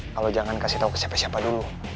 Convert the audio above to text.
kalau jangan kasih tahu ke siapa siapa dulu